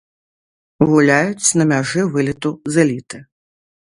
Гуляюць на мяжы вылету з эліты.